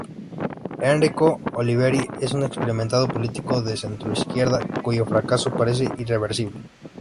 Enrico Oliveri es un experimentado político de centroizquierda cuyo fracaso parece irreversible.